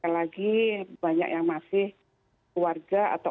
lagi banyak yang masih keluarga atau